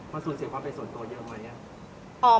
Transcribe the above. มันสูญเสียความเป็นส่วนตัวเยอะไหม